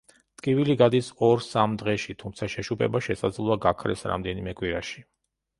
ტკივილი გადის ორ-სამ დღეში, თმცა შეშუპება შესაძლოა გაქრეს რამდენიმე კვირაში.